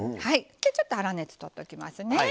ちょっと粗熱とっときますね。